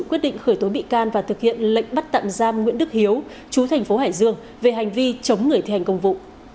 quyết định khởi tố bị can và thực hiện lệnh bắt tạm giam nguyễn đức hiếu chú thành phố hải dương về hành vi chống người thi hành công vụ